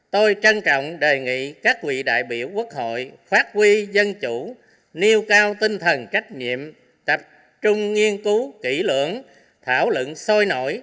tôi trân trọng đề nghị các vị đại biểu quốc hội phát huy dân chủ nêu cao tinh thần trách nhiệm tập trung nghiên cứu kỹ lưỡng thảo luận sôi nổi